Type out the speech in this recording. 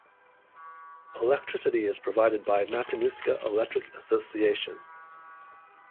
Electricity is provided by Matanuska Electric Association.